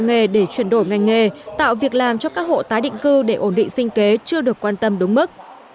nghề để chuyển đổi ngành nghề tạo việc làm cho các hộ tái định cư để ổn định sinh kế chưa được quan tâm đúng mức